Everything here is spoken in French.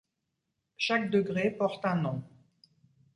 Chaque degré porte un nom.